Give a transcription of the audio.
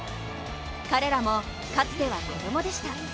彼らもかつては子供でした。